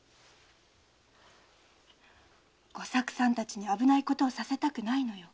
吾作さんたちに危ないことをさせたくないのよ。